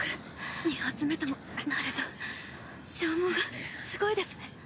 ２発目ともなると消耗がすごいですね。